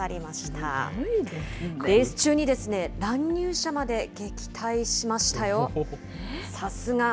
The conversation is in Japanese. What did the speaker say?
レース中に乱入者まで撃退しましたよ。